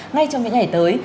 ngay trong những ngày tới